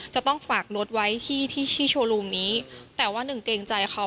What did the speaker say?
จะต้องฝากรถไว้ที่ที่โชว์รูมนี้แต่ว่าหนึ่งเกรงใจเขา